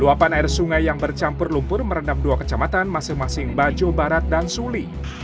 luapan air sungai yang bercampur lumpur merendam dua kecamatan masing masing bajo barat dan suli